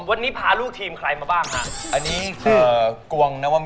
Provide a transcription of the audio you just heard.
วันนี้พาลูกทีมใครมาบ้างครับ